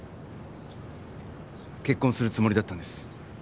結婚するつもりだったんです。